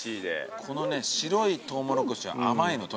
このね白いトウモロコシは甘いのとにかく。